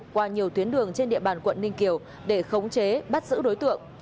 qua nhiều tuyến đường trên địa bàn quận ninh kiều để khống chế bắt giữ đối tượng